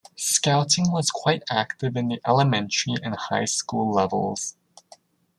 Scouting was quite active in the elementary and high school levels.